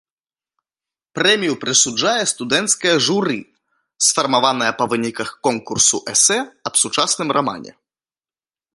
Прэмію прысуджае студэнцкае журы, сфармаванае па выніках конкурсу эсэ аб сучасным рамане.